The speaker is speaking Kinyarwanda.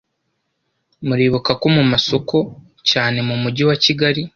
muribuka ko mu masoko cyane mu mujyi wa Kigali